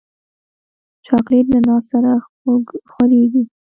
چاکلېټ له ناز سره خورېږي.